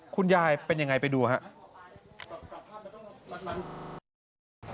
คุณยายเป็นยังไงไปดูครับ